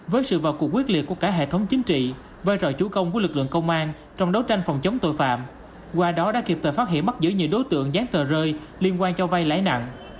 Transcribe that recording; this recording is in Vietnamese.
với sự vào cuộc quyết liệt của cả hệ thống chính trị vai trò chủ công của lực lượng công an trong đấu tranh phòng chống tội phạm qua đó đã kịp thời phát hiện bắt giữ nhiều đối tượng dán tờ rơi liên quan cho vay lãi nặng